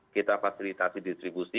kita fasilitasi distribusi